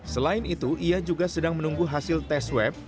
selain itu ia juga sedang menunggu hasil tes swab